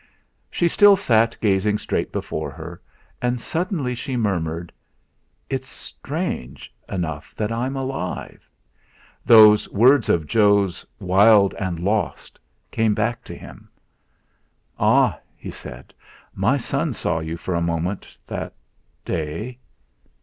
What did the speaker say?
She still sat gazing straight before her, and suddenly she murmured: "It's strange enough that I'm alive." Those words of Jo's 'Wild and lost' came back to him. "Ah!" he said: "my son saw you for a moment that day."